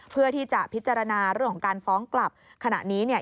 เพื่อที่จะพิจารณาเรื่องของการฟ้องกลับขณะนี้เนี่ย